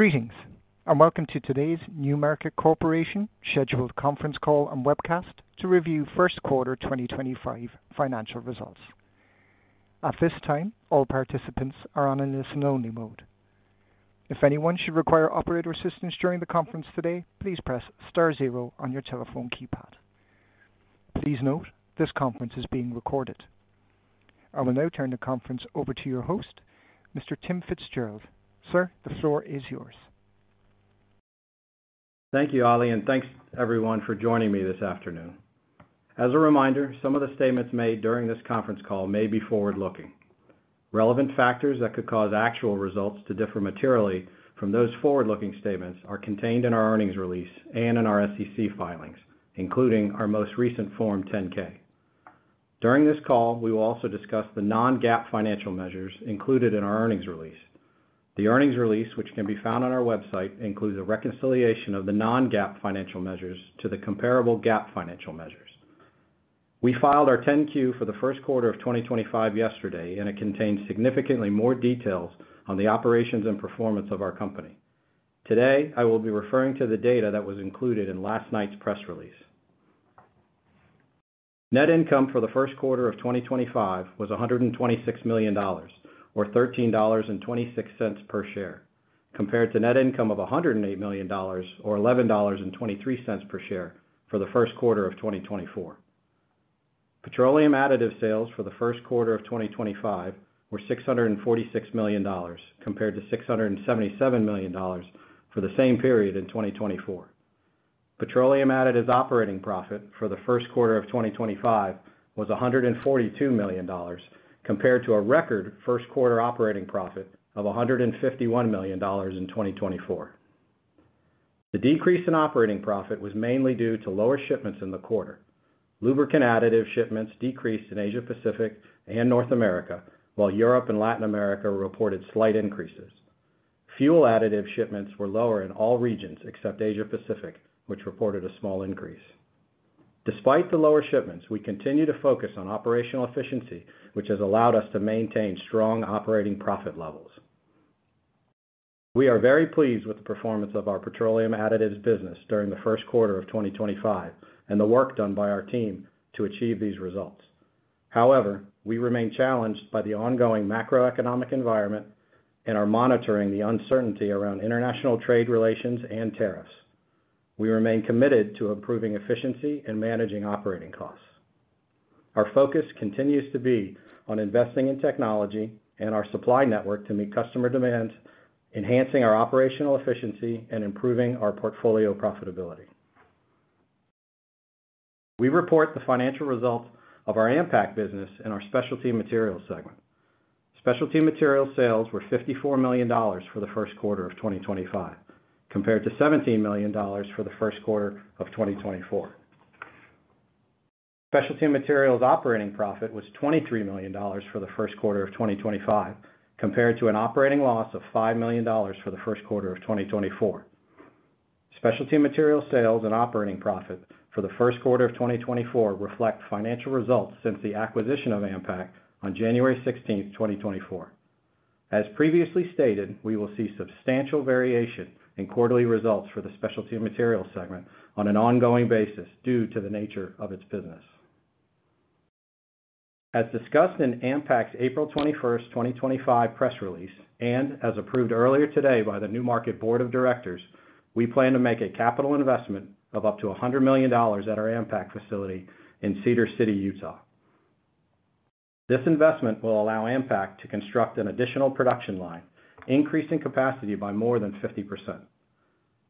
Greetings, and welcome to today's NewMarket Corporation scheduled conference call and webcast to review first quarter 2025 financial results. At this time, all participants are on a listen-only mode. If anyone should require operator assistance during the conference today, please press star zero on your telephone keypad. Please note, this conference is being recorded. I will now turn the conference over to your host, Mr. Tim Fitzgerald. Sir, the floor is yours. Thank you, Ali, and thanks, everyone, for joining me this afternoon. As a reminder, some of the statements made during this conference call may be forward-looking. Relevant factors that could cause actual results to differ materially from those forward-looking statements are contained in our earnings release and in our SEC filings, including our most recent Form 10-K. During this call, we will also discuss the non-GAAP financial measures included in our earnings release. The earnings release, which can be found on our website, includes a reconciliation of the non-GAAP financial measures to the comparable GAAP financial measures. We filed our 10-Q for the first quarter of 2025 yesterday, and it contains significantly more details on the operations and performance of our company. Today, I will be referring to the data that was included in last night's press release. Net income for the first quarter of 2025 was $126 million, or $13.26 per share, compared to net income of $108 million, or $11.23 per share, for the first quarter of 2024. Petroleum Additives sales for the first quarter of 2025 were $646 million, compared to $677 million for the same period in 2024. Petroleum Additives operating profit for the first quarter of 2025 was $142 million, compared to a record first quarter operating profit of $151 million in 2024. The decrease in operating profit was mainly due to lower shipments in the quarter. Lubricant additive shipments decreased in Asia-Pacific and North America, while Europe and Latin America reported slight increases. Fuel additive shipments were lower in all regions except Asia-Pacific, which reported a small increase. Despite the lower shipments, we continue to focus on operational efficiency, which has allowed us to maintain strong operating profit levels. We are very pleased with the performance of our Petroleum Additives business during the first quarter of 2025 and the work done by our team to achieve these results. However, we remain challenged by the ongoing macroeconomic environment and are monitoring the uncertainty around international trade relations and tariffs. We remain committed to improving efficiency and managing operating costs. Our focus continues to be on investing in technology and our supply network to meet customer demands, enhancing our operational efficiency and improving our portfolio profitability. We report the financial results of our AMPAC business in our Specialty Materials segment. Specialty Materials sales were $54 million for the first quarter of 2025, compared to $17 million for the first quarter of 2024. Specialty Materials operating profit was $23 million for the first quarter of 2025, compared to an operating loss of $5 million for the first quarter of 2024. Specialty Materials sales and operating profit for the first quarter of 2024 reflect financial results since the acquisition of AMPAC on January 16, 2024. As previously stated, we will see substantial variation in quarterly results for the Specialty Materials segment on an ongoing basis due to the nature of its business. As discussed in AMPAC's April 21st, 2025 press release and as approved earlier today by the NewMarket Board of Directors, we plan to make a capital investment of up to $100 million at our AMPAC facility in Cedar City, Utah. This investment will allow AMPAC to construct an additional production line, increasing capacity by more than 50%.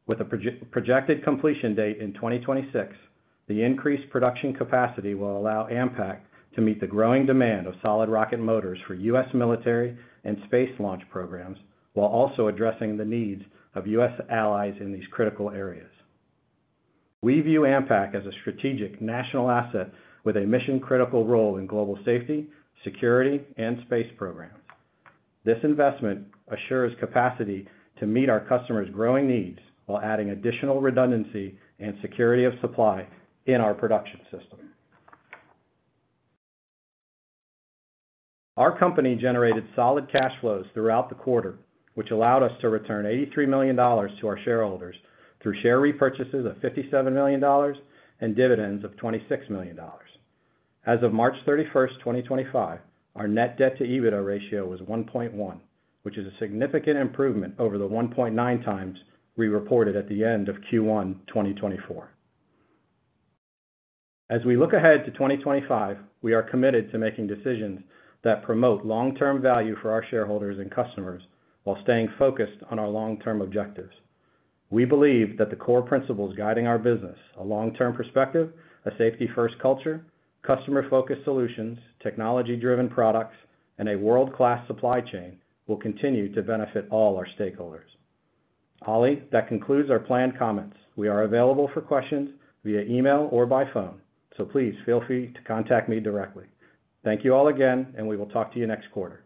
With a projected completion date in 2026, the increased production capacity will allow AMPAC to meet the growing demand of solid rocket motors for U.S. military and space launch programs, while also addressing the needs of U.S. allies in these critical areas. We view AMPAC as a strategic national asset with a mission-critical role in global safety, security, and space programs. This investment assures capacity to meet our customers' growing needs while adding additional redundancy and security of supply in our production system. Our company generated solid cash flows throughout the quarter, which allowed us to return $83 million to our shareholders through share repurchases of $57 million and dividends of $26 million. As of March 31st, 2025, our net debt-to-EBITDA ratio was 1.1, which is a significant improvement over the 1.9x we reported at the end of Q1 2024. As we look ahead to 2025, we are committed to making decisions that promote long-term value for our shareholders and customers while staying focused on our long-term objectives. We believe that the core principles guiding our business—a long-term perspective, a safety-first culture, customer-focused solutions, technology-driven products, and a world-class supply chain—will continue to benefit all our stakeholders. Ali, that concludes our planned comments. We are available for questions via email or by phone, so please feel free to contact me directly. Thank you all again, and we will talk to you next quarter.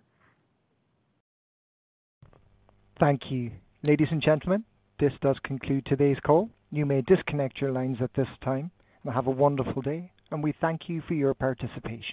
Thank you. Ladies and gentlemen, this does conclude today's call. You may disconnect your lines at this time. Have a wonderful day, and we thank you for your participation.